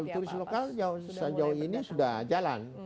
turis lokal sejauh ini sudah jalan